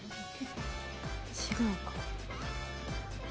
違うか。